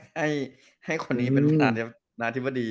ให้ให้คนนี้เป็นประธานาธิบดี